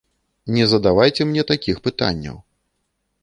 Не задавайце мне такіх пытанняў.